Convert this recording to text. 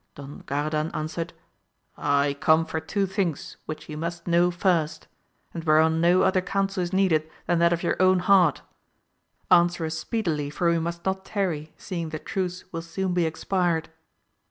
Don Garadan answered, I come for two things which you must know first, and where on no other counsel is needed than that of your own heart; answer us speedily for we must not tarry, seeing the truce will soon be expired.